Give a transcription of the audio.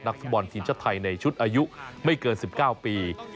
ฟุตบอลทีมชาติไทยในชุดอายุไม่เกิน๑๙ปี